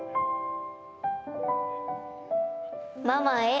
ママへ。